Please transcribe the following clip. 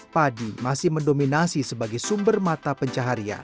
padi masih mendominasi sebagai sumber mata pencaharian